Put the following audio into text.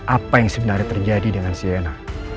apa yang sebenarnya terjadi dengan siena